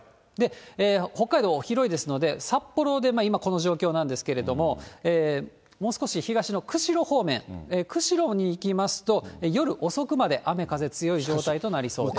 北海道広いですので、札幌で今この状況なんですけれども、もう少し東の釧路方面、釧路に行きますと、夜遅くまで雨風強い状態となりそうです。